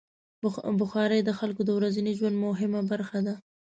بخاري د خلکو د ورځني ژوند مهمه برخه ده.